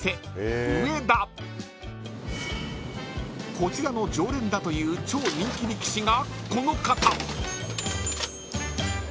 ［こちらの常連だという超人気力士がこの方］